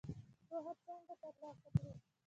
پوهه څنګه تر لاسه کړو؟